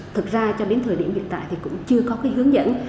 thực ra cho đến thời điểm hiện tại thì cũng chưa có cái hướng dẫn